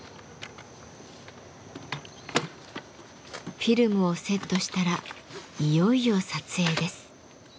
フィルムをセットしたらいよいよ撮影です。